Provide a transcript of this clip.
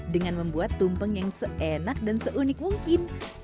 dengan membuat tumpeng yang seenak dan seunik mungkin